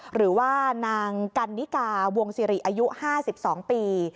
หรือว่านางกันนิกาวงศิริอายุ๕๒ปี